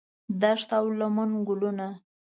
دښت او لمن ګلونه